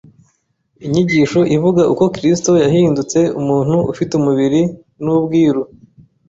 Inyigisho ivuga uko Kristo yahindutse umuntu ufite umubiri ni ubwiru